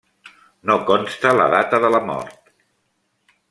No consta la data de la mort.